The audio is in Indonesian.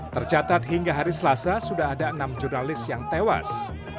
tercatat hingga hari selasa sudah ada enam jurnalis yang tewas